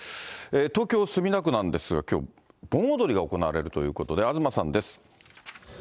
東京・墨田区なんですが、きょう、盆踊りが行われるということで、東さんです。